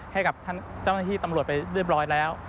ให้กับท่านเจ้าหน้าที่ตำรวจไปเรียบร้อยแล้ว